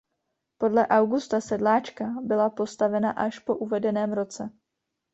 Podle Augusta Sedláčka byla postavena až po uvedeném roce.